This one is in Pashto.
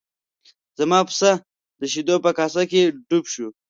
زما پسه د شیدو په کاسه کې ډوب شو.